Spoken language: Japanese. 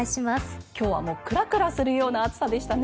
今日はクラクラするような暑さでしたね。